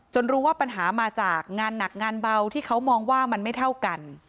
รู้ว่าปัญหามาจากงานหนักงานเบาที่เขามองว่ามันไม่เท่ากัน